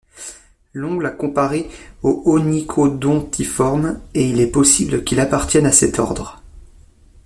Long l'a comparé aux Onychodontiformes et il est possible qu'il appartienne à cet ordre.